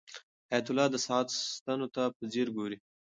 حیات الله د ساعت ستنو ته په ځیر ګوري.